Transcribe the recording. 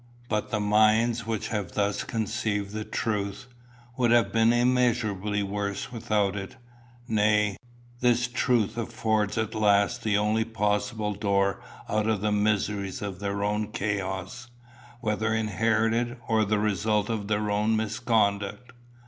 But the minds which have thus conceived the truth, would have been immeasurably worse without it; nay, this truth affords at last the only possible door out of the miseries of their own chaos, whether inherited or the result of their own misconduct."